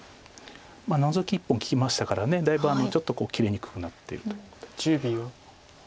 ノゾキ１本利きましたからだいぶちょっと切れにくくなってるということ。